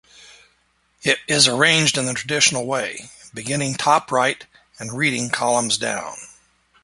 It is arranged in the traditional way, beginning top right and reading columns down.